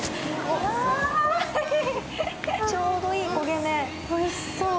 ちょうどいい焦げ目、おいしそう。